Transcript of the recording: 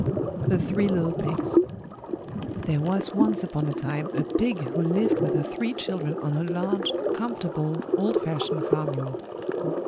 THE THREE LITTLE PIGS There was once upon a time a pig who lived with her three children on a large, comfortable, old fashioned farmyard.